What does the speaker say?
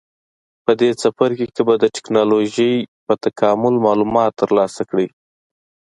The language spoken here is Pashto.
په دې څپرکي کې به د ټېکنالوجۍ په تکامل معلومات ترلاسه کړئ.